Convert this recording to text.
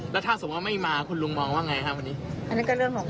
แล้วถ้าสมมุติว่าไม่มาคุณลุงมองว่าไงฮะวันนี้